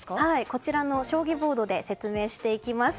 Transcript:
こちらの将棋ボードで説明していきます。